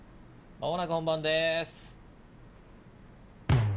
・まもなく本番です！